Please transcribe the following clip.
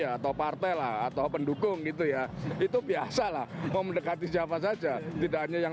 atau partai lah atau pendukung gitu ya itu biasalah mau mendekati siapa saja tidak hanya yang